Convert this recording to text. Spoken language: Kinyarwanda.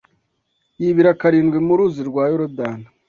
yibira karindwi mu Ruzi rwa Yorodani